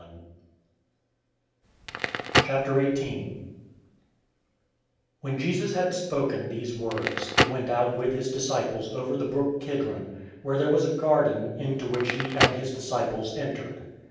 018:001 When Jesus had spoken these words, he went out with his disciples over the brook Kidron, where was a garden, into which he and his disciples entered.